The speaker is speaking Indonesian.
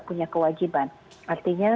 punya kewajiban artinya